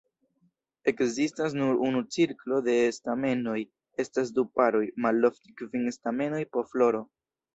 Ekzistas nur unu cirklo de stamenoj, estas du paroj, malofte kvin stamenoj po floro.